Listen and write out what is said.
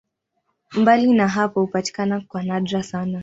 Mbali na hapo hupatikana kwa nadra sana.